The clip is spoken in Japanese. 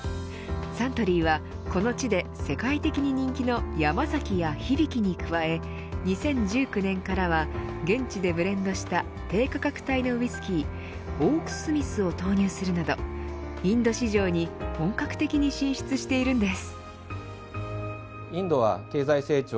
サントリーはこの地で世界的に人気の山崎や響に加え２０１９年からは現地でブレンドした低価格帯のウイスキーオークスミスを投入するなどインド市場に本格的に進出しているんです。